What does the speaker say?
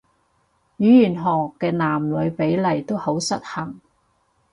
語言學嘅男女比例都好失衡